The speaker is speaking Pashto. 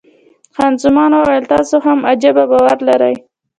خان زمان وویل، تاسې هم عجبه باور لرئ.